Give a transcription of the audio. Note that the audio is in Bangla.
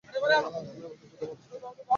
আরে তুমি আমাকে কোথায় পাঠাচ্ছো?